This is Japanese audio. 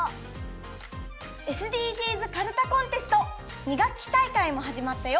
ＳＤＧｓかるたコンテスト２学期大会もはじまったよ。